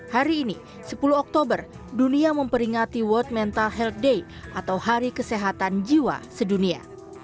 hari ini sepuluh oktober dunia memperingati world mental health day atau hari kesehatan jiwa sedunia